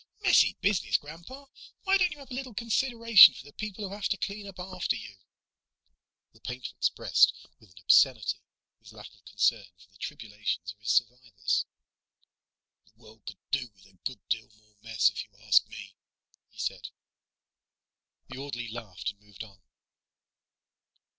"Messy business, Grandpa. Why don't you have a little consideration for the people who have to clean up after you?" The painter expressed with an obscenity his lack of concern for the tribulations of his survivors. "The world could do with a good deal more mess, if you ask me," he said. The orderly laughed and moved on.